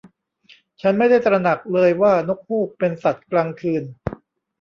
ฉันไม่ได้ตระหนักเลยว่านกฮูกเป็นสัตว์กลางคืน